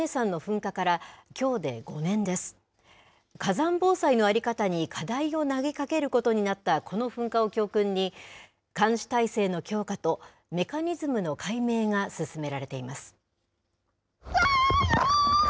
火山防災の在り方に課題を投げかけることになったこの噴火を教訓に、監視体制の強化とメカニズムの解明が進められています。